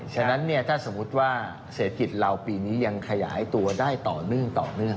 ฉะนั้นเนี่ยถ้าสมมุติว่าเศรษฐกิจเราปีนี้ยังขยายตัวได้ต่อเนื่องต่อเนื่อง